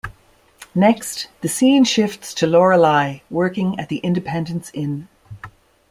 Next, the scene shifts to Lorelai working at the Independence Inn.